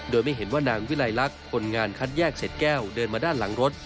โดยไม่เห็นว่านางวิลัยลักษณ์คนงานคัดแยกเศษแก้วเดินมาด้านหลังรถ